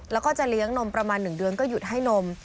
แล้วก็จะเลี้ยงนมประมาณ๑เดือนก็หยุดให้นม